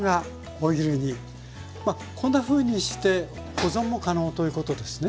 まあこんなふうにして保存も可能ということですね？